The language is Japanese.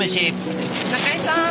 中井さん！